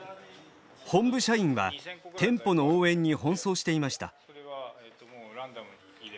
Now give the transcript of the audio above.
本部社員は店舗の応援に奔走していました。